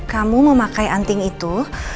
kamu mau pakai anting itu